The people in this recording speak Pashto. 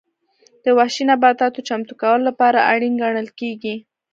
د وحشي نباتاتو چمتو کولو لپاره اړین ګڼل کېږي.